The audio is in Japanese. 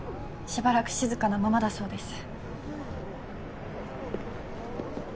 しばらく静かなままだそうです。